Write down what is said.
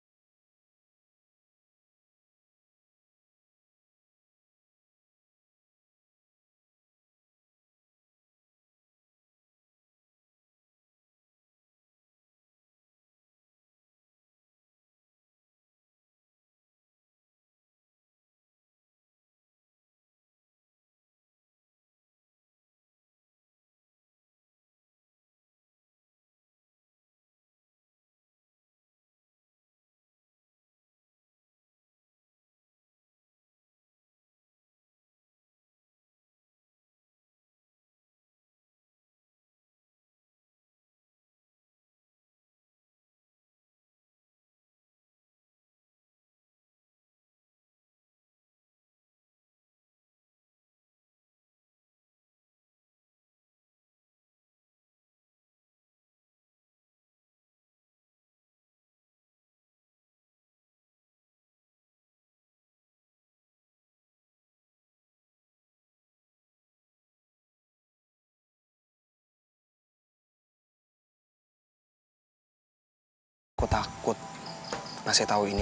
papi selamat suti